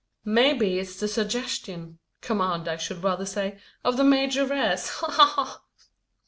"Maybe it's the suggestion command I should rather say of the majoress. Ha! ha! ha!"